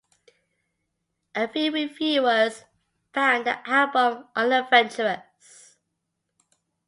A few reviewers found the album unadventurous.